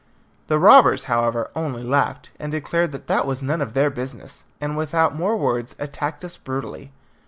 The robbers, however, only laughed, and declared that was none of their business, and, without more words, attacked us brutally.